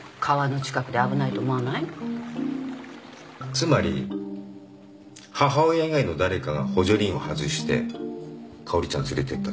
つまり母親以外の誰かが補助輪を外してかおりちゃん連れてったってこと？